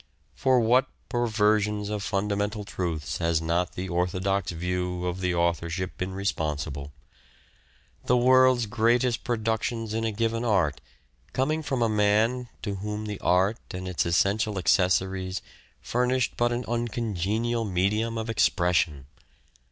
For what perversions of fundamental truths has not the orthodox view of the authorship been responsible ! The world's greatest productions in a given art coming from a man to whom the art and its essential accessories furnished but an uncongenial medium of expression